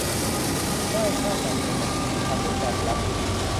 ได้ค่าตอบแทนจากสิ่งที่ทำด้วยความรัก